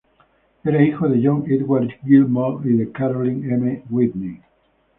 Era hijo de John Edward Gilmore y de Caroline M. Whitney.